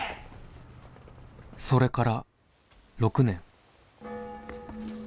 「それから６年」。